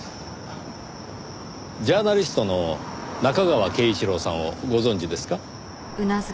ジャーナリストの中川敬一郎さんをご存じですか？